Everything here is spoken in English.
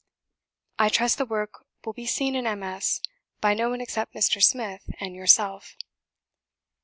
"I trust the work will be seen in MS. by no one except Mr. Smith and yourself."